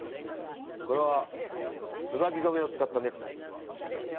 これは椿染めを使ったネクタイ。